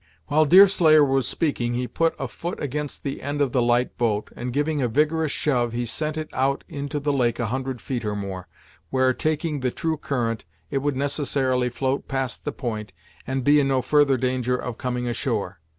While Deerslayer was speaking, he put a foot against the end of the light boat, and giving a vigorous shove, he sent it out into the lake a hundred feet or more, where, taking the true current, it would necessarily float past the point, and be in no further danger of coming ashore.